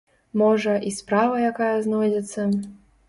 Можа, і справа якая знойдзецца?